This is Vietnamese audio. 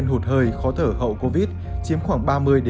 hụt hơi khó thở hậu covid chiếm khoảng ba mươi năm mươi